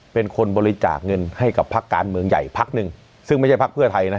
เป็นคนบริจาคเงินให้กับพักการเมืองใหญ่พักหนึ่งซึ่งไม่ใช่พักเพื่อไทยนะ